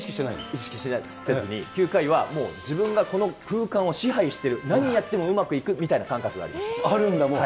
意識せずに、９回はもう、自分がこの空間を支配してる、何やってもうまくいくみたいな感あるんだ、もう。